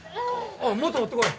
おうもっと持って来い。